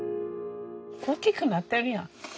大きくなってるやん。